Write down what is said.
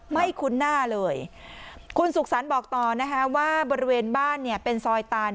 คุ้นหน้าเลยคุณสุขสรรค์บอกต่อนะคะว่าบริเวณบ้านเนี่ยเป็นซอยตาน